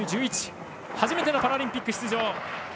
初めてのパラリンピック出場。